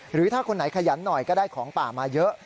หรือถ้าคนไหนขยันหน่อยก็ได้ของป่ามาเยอะ